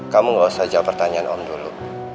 kamu gak usah jawab pertanyaan om dulu